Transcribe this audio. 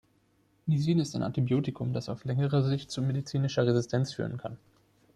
Nisin ist ein Antibiotikum, das auf längere Sicht zu medizinischer Resistenz führen kann.